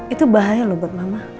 itu bahaya loh buat mama